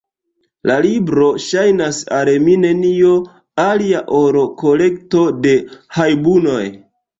La libro ŝajnas al mi nenio alia ol kolekto da hajbunoj.